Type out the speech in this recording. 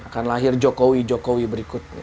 akan lahir jokowi jokowi berikutnya